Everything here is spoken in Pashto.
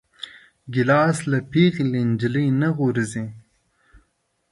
ګیلاس له پېغلې نجلۍ نه غورځي.